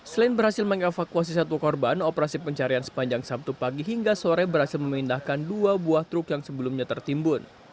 selain berhasil mengevakuasi satu korban operasi pencarian sepanjang sabtu pagi hingga sore berhasil memindahkan dua buah truk yang sebelumnya tertimbun